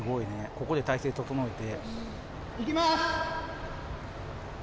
ここで体勢整えて。